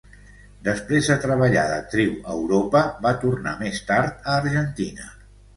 Després de treballar d'actriu a Europa, va tornar més tard a Argentina.